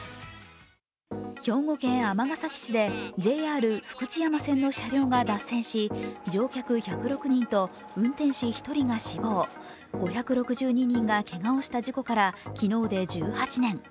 兵庫県尼崎市でＪＲ福知山線の車両が脱線し、乗客１０６人と運転士１人が死亡、５６２人がけがをした事件から昨日で１８年。